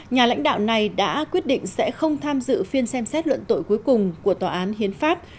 nhà lãnh đạo này đã quyết định sẽ không tham dự phiên xem xét luận tội cuối cùng của tòa án hiến pháp